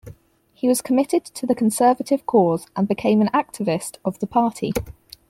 He was committed to the Conservative cause and became an activist of the Party.